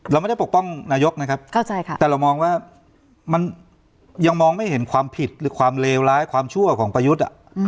เราไม่ได้ปกป้องนายกนะครับแต่เรามองว่ามันยังมองไม่เห็นความผิดหรือความเลวร้ายความชั่วของประยุทธ์